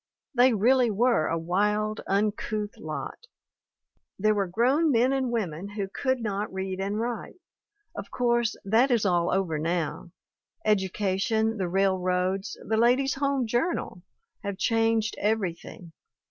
They really were a wild, uncouth lot; there were grown men and women who could not read and write. Of course that is all over now; education, the railroads, the Ladies' Home Journal have changed everything.